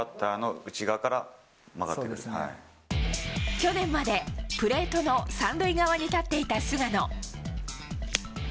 去年までプレートの３塁側に立っていた菅野。